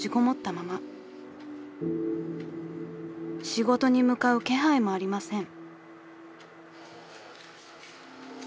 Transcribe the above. ［仕事に向かう気配もありません］